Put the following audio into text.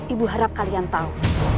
ibu harap kalian tahu